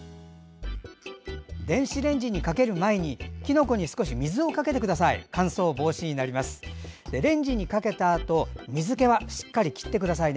電子レンジにかける前にきのこに少し水を少しかけてください。